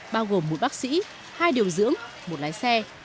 bao gồm một bác sĩ hai điều dưỡng một lái xe